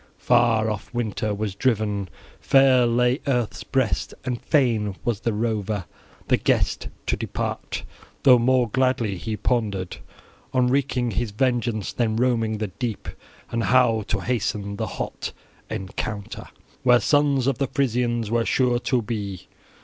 Far off winter was driven; fair lay earth's breast; and fain was the rover, the guest, to depart, though more gladly he pondered on wreaking his vengeance than roaming the deep, and how to hasten the hot encounter where sons of the Frisians were sure to be.